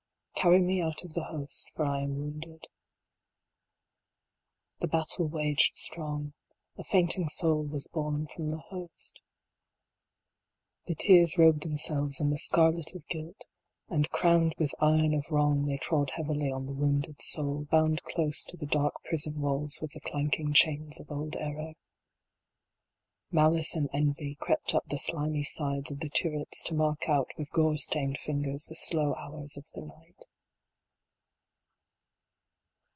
" Carry me out of the host, for I am wounded." "THE battle waged strong. A fainting soul was borne from the host. The tears robed themselves in the scarlet of guilt, and crowned with iron of wrong, they trod heavily on the wounded soul, Bound close to the dark prison walls, with the clanking chains of old Error. Malice and Envy crept up the slimy sides of the turrets to mark out with gore stained fingers the slow hours of the night.